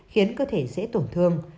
khiến cơ thể dễ tổn thương